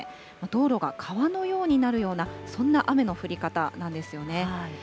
道路が川のようになるような、そんな雨の降り方なんですよね。